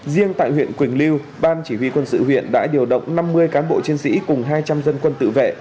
riêng tại huyện quỳnh lưu ban chỉ huy quân sự huyện đã điều động năm mươi cán bộ chiến sĩ cùng hai trăm linh dân quân tự vệ